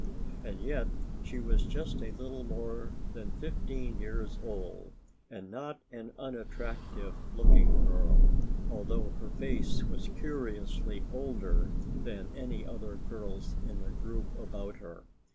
And yet she was just a little more than fifteen years old and not an unattractive looking girl, although her face was curiously older than any other girl's in the group about her.